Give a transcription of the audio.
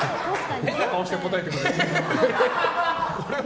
変な顔して答えてもらえれば。